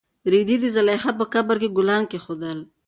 رېدي د زلیخا په قبر کې ګلان کېښودل.